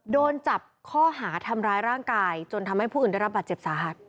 โดนจับข้อหาทำร้ายร่างกายจนทำให้ผู้อื่นได้รับบาดเจ็บสาหัส